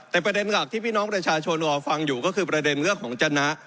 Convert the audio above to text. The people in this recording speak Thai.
แต่ประเด็นหลักที่พี่น้องประชาชนรอฟังอยู่ก็คือประเด็นเรื่องของจนะ